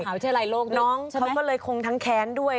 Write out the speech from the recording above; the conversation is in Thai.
เขาแชมป์อะไรโลกด้วยน้องเขาก็เลยคงทั้งแค้นด้วย